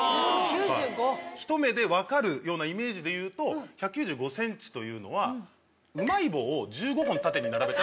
ひと目でわかるようなイメージでいうと１９５ｃｍというのはうまい棒を１５本縦に並べた。